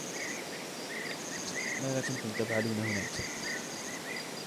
ماذا كُنتم تفعلون هناك ؟